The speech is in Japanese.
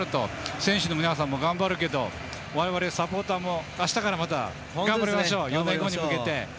選手の皆さんも頑張るけど我々、サポーターもあしたからまた頑張りましょう４年後に向けて。